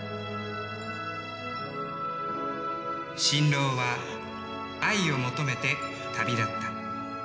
新郎は愛を求めて旅立った。